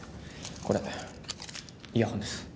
これイヤホンです。